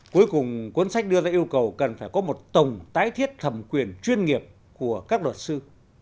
cuối cùng cuốn sách đưa ra yêu cầu cần phải có một tổng tái thiết thẩm quyền chuyên nghiệp của các luật sư